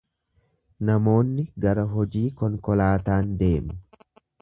Namoonni gara hojii konkolaataan deemu.